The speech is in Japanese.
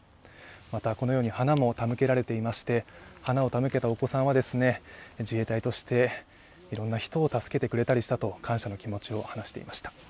またこのように花も手向けられていまして花を手向けたお子さんは、自衛隊としていろんな人を助けてくれたりしたと感謝の気持ちを話していました。